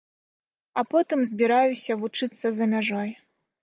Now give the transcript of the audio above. А потым збіраюся вучыцца за мяжой.